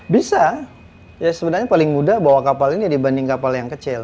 bisa ya sebenarnya paling mudah bawa kapal ini dibanding kapal yang kecil